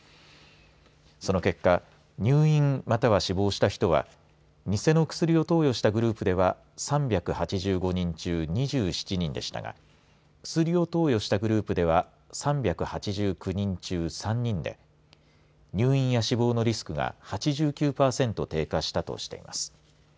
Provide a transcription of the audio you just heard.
その結果入院または死亡した人は偽の薬を投与したグループでは３８５人中２７人でしたが薬を投与したグループでは３８９人中３人で入院や死亡のリスクが８９パーセント低下したとしています。